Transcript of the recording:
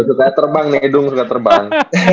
setelah terbang nedung suka terbang